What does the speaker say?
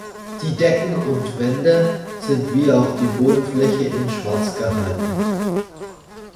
Die Decken und Wände sind wie auch die Bodenfläche in schwarz gehalten.